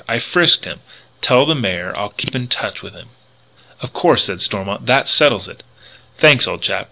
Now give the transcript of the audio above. I frisked him. Tell the Mayor. I'll keep in touch with him." "Of course," said Stormont, "that settles it." "Thanks, old chap.